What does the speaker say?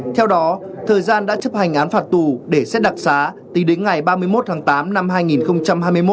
theo đó thời gian đã chấp hành án phạt tù để xét đặc xá tính đến ngày ba mươi một tháng tám năm hai nghìn hai mươi một